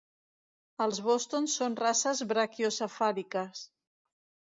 Els boston són races braquiocefàliques.